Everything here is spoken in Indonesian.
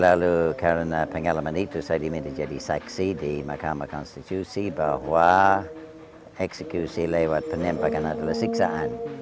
lalu karena pengalaman itu saya diminta jadi saksi di mahkamah konstitusi bahwa eksekusi lewat penembakan adalah siksaan